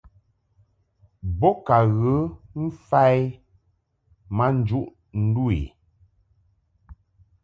Bo ka ghə mfa i ma njuʼ ndu i.